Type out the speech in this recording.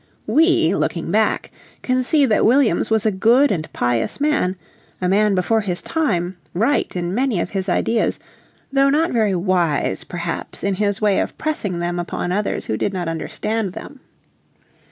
We, looking back, can see that Williams was a good and pious man, a man before his time, right in many of his ideas, though not very wise perhaps in his way of pressing them. upon others who did not understand them.